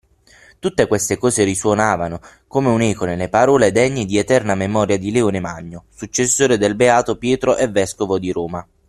Tutte queste cose risuonavano come un'eco nelle parole degne di eterna memoria di Leone Magno, successore del beato Pietro e Vescovo di Roma.